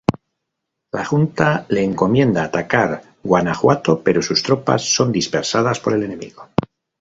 La Junta le encomienda atacar Guanajuato, pero sus tropas son dispersadas por el enemigo.